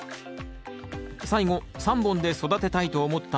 最後３本で育てたいと思った理由は？